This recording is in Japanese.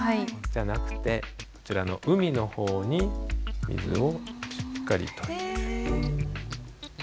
じゃなくてこちらの海の方に水をしっかりと入れる。